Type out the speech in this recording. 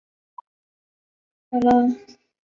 出身于茨城县。